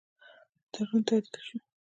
تړون تعدیل سو.